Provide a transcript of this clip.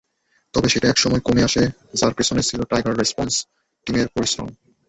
তবে সেটা একসময় কমে আসে, যার পেছনে ছিল টাইগার রেসপন্স টিমের পরিশ্রম।